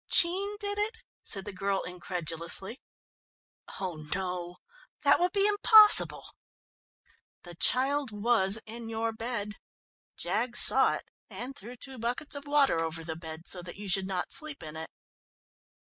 "Jean did it?" said the girl incredulously. "Oh no, that would be impossible." "The child was in your bed. Jaggs saw it and threw two buckets of water over the bed, so that you should not sleep in it."